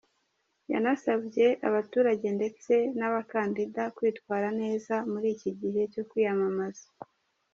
Yanasabye abaturage ndetse n’abakandida kwitwara neza muri iki gihe cyo kwiyamamaza.